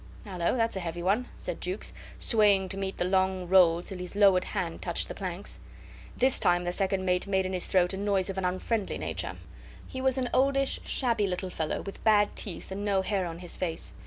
"Hallo! That's a heavy one," said Jukes, swaying to meet the long roll till his lowered hand touched the planks. This time the second mate made in his throat a noise of an unfriendly nature. He was an oldish, shabby little fellow, with bad teeth and no hair on his face.